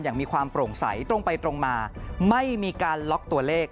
มีความโปร่งใสตรงไปตรงมาไม่มีการล็อกตัวเลข